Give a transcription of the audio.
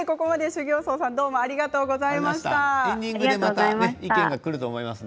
修行僧さんありがとうございました。